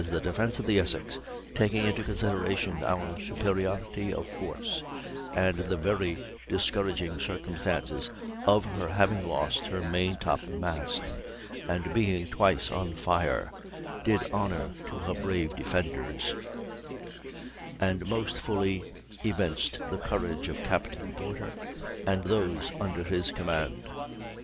Captain Hilyar in his letter says: "The defence of the Essex, taking into consideration our superiority of force and the very discouraging circumstances of her having lost her main top mast and being twice on fire, did honor to her brave defenders, and most fully evinced the courage of Captain Porter and those under his command.